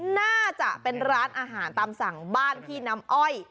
น่าจะเป็นร้านอาหารตามสั่งบ้านพี่น้ำอ้อย